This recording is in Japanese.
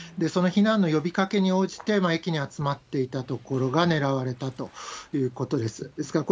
その避難の呼びかけに応じて、駅に集まっていたところが狙われたということです。